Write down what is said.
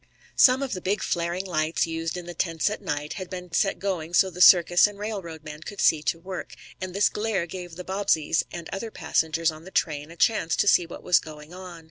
Some of the big, flaring lights, used in the tents at night, had been set going so the circus and railroad men could see to work, and this glare gave the Bobbseys and other passengers on the train a chance to see what was going on.